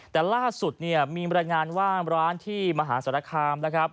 แต่ล่าสุดมีบรรยายงานว่างร้านที่มหาสรคาม